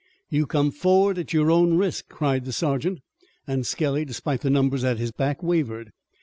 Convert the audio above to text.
"You come forward at your own risk!" cried the sergeant, and Skelly, despite the numbers at his back, wavered.